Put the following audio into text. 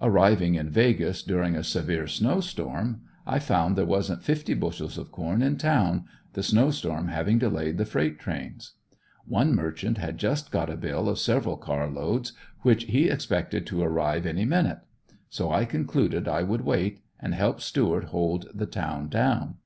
Arriving in Vegas, during a severe snow storm, I found there wasn't fifty bushels of corn in town, the snow storm having delayed the freight trains. One merchant had just got a bill of several car loads which he expected to arrive any minute. So I concluded I would wait and help Stuart hold the town down.